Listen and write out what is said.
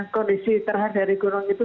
kondisi terhadap gunung itu